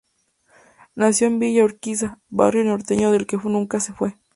Nació en Villa Urquiza, barrio porteño del que nunca se fue.